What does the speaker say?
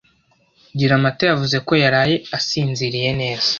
Giramata yavuze ko yaraye asinziriye neza.